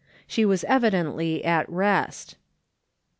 She was evidently at rest.